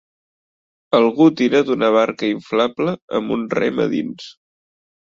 Algú tira d'una barca inflable amb un rem a dins